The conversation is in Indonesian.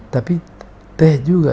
tapi teh juga